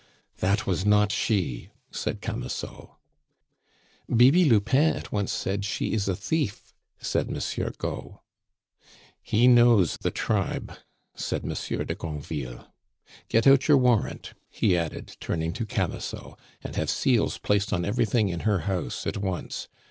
"That was not she!" said Camusot. "Bibi Lupin at once said, 'She is a thief!'" said Monsieur Gault. "He knows the tribe," said Monsieur de Granville. "Get out your warrant," he added, turning to Camusot, "and have seals placed on everything in her house at once!